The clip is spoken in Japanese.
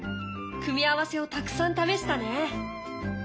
組み合わせをたくさん試したね。